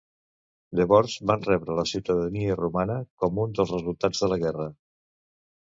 Llavors van rebre la ciutadania romana com un dels resultats de la guerra.